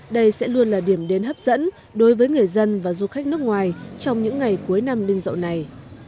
đây sẽ luôn là điểm đến hấp dẫn đối với người dân và du khách nước ngoài trong những ngày cuối năm linh dậu này